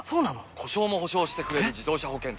故障も補償してくれる自動車保険といえば？